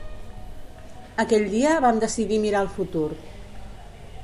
Aquell dia vam decidir mirar al futur.